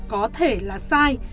có thể là sai